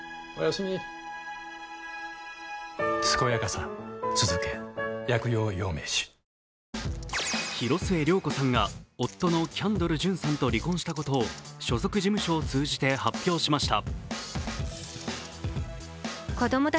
すこやかさつづけ薬用養命酒広末涼子さんが夫のキャンドル・ジュンさんと離婚したことを所属事務所を通じて発表しました。